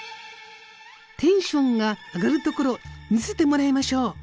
テンションが上がるところ見せてもらいましょう！